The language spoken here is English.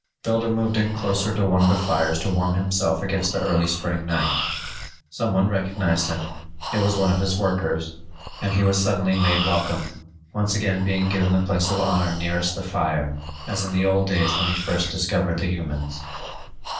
Builder moved in closer to one of the fires to warm himself against the early spring night. Someone recognized him it was one of his workers and he was suddenly made welcome, once again being given the place of honor nearest the fire, as in the old days when he'd first discovered the humans.